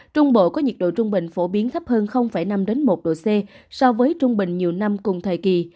trung bộ có nhiệt độ trung bình phổ biến thấp hơn năm một độ c so với trung bình nhiều năm cùng thời kỳ